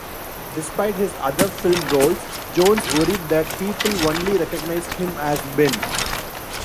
Despite his other film roles, Jones worried that people only recognized him as Ben.